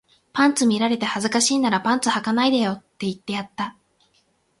パンツ見られて恥ずかしいならパンツ履かないでよって言ってやった